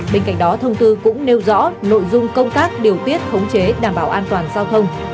bên cạnh đó thông tư cũng nêu rõ nội dung công tác điều tiết khống chế đảm bảo an toàn giao thông